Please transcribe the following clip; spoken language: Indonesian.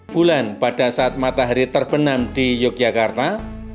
bulan pada saat matahari terbenam di yogyakarta